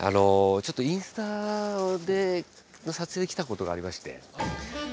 ちょっとインスタの撮影で来たことがありまして。